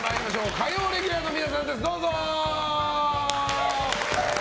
火曜レギュラーの皆さんどうぞ！